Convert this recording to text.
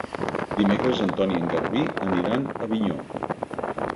Dimecres en Ton i en Garbí aniran a Avinyó.